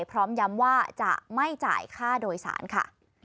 พร้อมย้ำว่าจะไม่จ่ายค่าโดยสารค่ะ